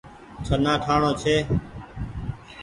ڇهنآ ٺآڻو ڇي۔